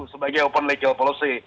sebagai open legal policy